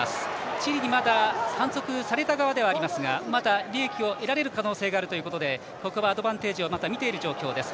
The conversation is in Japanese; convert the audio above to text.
チリにまだ反則された側ではありますがまだ利益を得られる可能性があるということでここはアドバンテージを見ている状況です。